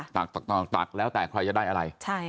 ตักตักตักตักแล้วแต่ใครจะได้อะไรใช่